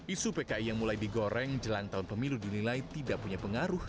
isu pki yang mulai digoreng jelang tahun pemilu dinilai tidak punya pengaruh